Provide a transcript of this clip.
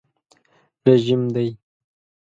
رژیم دی.